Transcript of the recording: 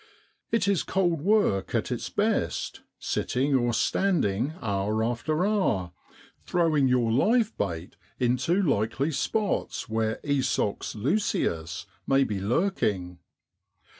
It 120 NOVEMBER IN BROADLAND. is cold work at its best, sitting or standing hour after hour, throwing your live bait into likely spots where Esox lucius may be lurking.